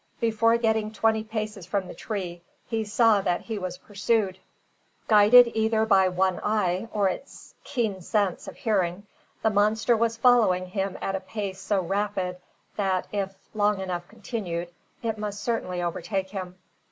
Before getting twenty paces from the tree, he saw that he was pursued. Guided either by one eye or its keen sense of hearing, the monster was following him at a pace so rapid that, if long enough continued, it must certainly overtake him.